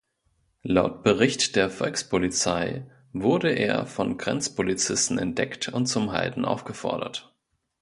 Laut Bericht der Volkspolizei wurde er von Grenzpolizisten entdeckt und zum Halten aufgefordert.